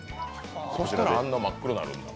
そうしたらあんな真っ黒になるんだ。